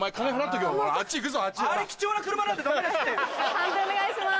判定お願いします。